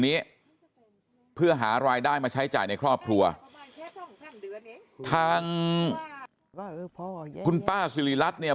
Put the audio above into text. นี้เพื่อหารายได้มาใช้จ่ายในครอบครัวทางคุณป้าสิริรัตน์เนี่ย